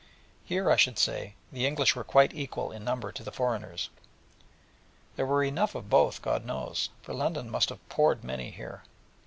Here, I should say, the English were quite equal in number to the foreigners: and there were enough of both, God knows: for London must have poured many here.